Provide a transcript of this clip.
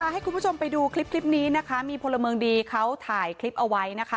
ให้คุณผู้ชมไปดูคลิปนี้นะคะมีพลเมืองดีเขาถ่ายคลิปเอาไว้นะคะ